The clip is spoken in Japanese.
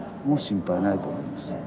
もう心配ないと思います。